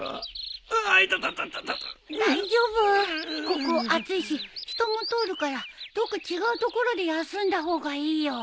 ここ暑いし人も通るからどっか違う所で休んだ方がいいよ。